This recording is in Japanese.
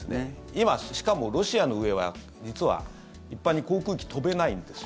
今、しかもロシアの上は、実は一般に航空機飛べないんです。